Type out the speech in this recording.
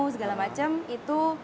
segala macam itu